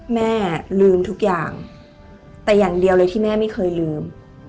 แม่ลืมทุกอย่างแต่อย่างเดียวเลยที่แม่ไม่เคยลืม